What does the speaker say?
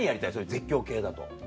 絶叫系だと。